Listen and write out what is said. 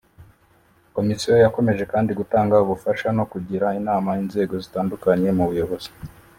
Komisiyo yakomeje kandi gutanga ubufasha no kugira inama inzego zitandukanye mu buyobozi